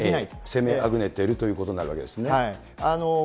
攻めあぐねているということになるわけですね。